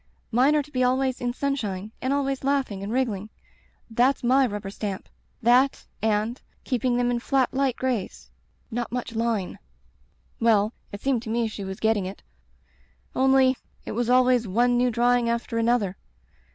Mine are to be always in sunshine and always laughing and wriggling. That's my rubber stamp — that — and — keeping them in flat light grays — ^not much line.' "Well, it seemed to me she was getting it; only — ^it was always one new drawing after another.